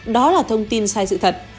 đó là thông tin sai sự thật